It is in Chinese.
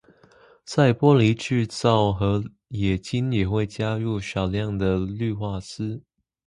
在玻璃制造和冶金也会加入少量的氯化锶。